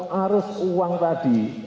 harus uang tadi